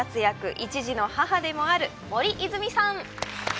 １児の母でもある森泉さん。